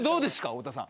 太田さん。